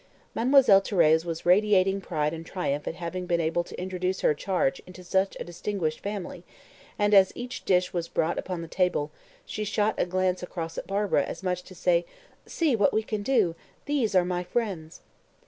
Mademoiselle Thérèse was radiating pride and triumph at having been able to introduce her charge into such a "distinguished" family, and as each dish was brought upon the table, she shot a glance across at Barbara as much as to say, "See what we can do! these are my friends!"